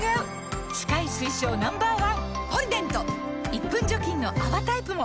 １分除菌の泡タイプも！